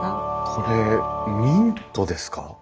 これミントですか？